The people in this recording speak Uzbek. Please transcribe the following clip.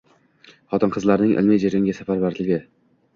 Xotin-qizlarning ilmiy jarayonga safarbarligi